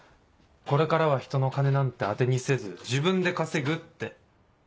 「これからはひとの金なんて当てにせず自分で稼ぐ」って。